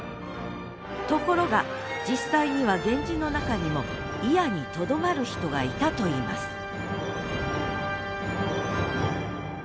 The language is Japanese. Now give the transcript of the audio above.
ところが実際には源氏の中にも祖谷にとどまる人がいたといいます